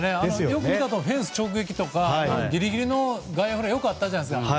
よく見たらフェンス直撃とかギリギリの外野フライがよくあったじゃないですか。